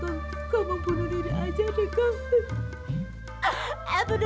engka kau mau bunuh diri aja deh kau